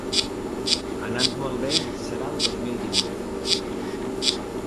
Anant molt bé, serà el dos mil divuit.